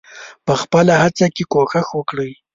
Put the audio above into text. په خپله هڅه کې کوښښ وکړئ.